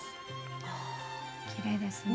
きれいですね。